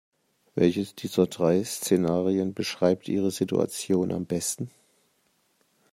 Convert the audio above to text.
Welches dieser drei Szenarien beschreibt Ihre Situation am besten?